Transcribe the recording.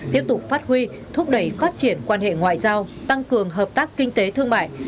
tiếp tục phát huy thúc đẩy phát triển quan hệ ngoại giao tăng cường hợp tác kinh tế thương mại